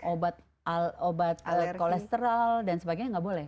obat kolesterol dan sebagainya nggak boleh